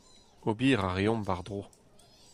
Ober a reomp war-dro.